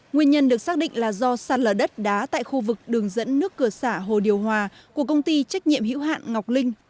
nguyên nhân được xác định là do săn lở đất đá tại khu vực đường dẫn nước cửa xã hồ điều hòa của công ty trách nhiệm hữu hạn ngọc linh